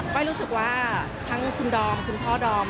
รู้สึกว่าทั้งคุณดอมคุณพ่อดอม